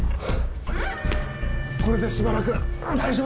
これでしばらく大丈夫か。